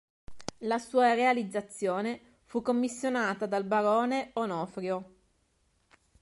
La sua realizzazione fu commissionata dal barone Onofrio.